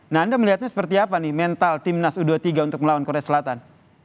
nah anda melihatnya seperti apa nih mental timnas u dua puluh tiga untuk melawan korea selatan